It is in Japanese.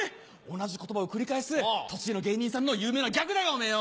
同じ言葉を繰り返す栃木の芸人さんの有名なギャグだよおめぇよ！